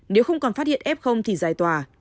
nếu không còn phát hiện f thì giải tòa